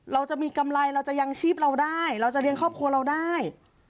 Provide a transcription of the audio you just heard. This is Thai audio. เราจะมีกำไรเราจะยังชีพเราได้เราจะเลี้ยงครอบครัวเราได้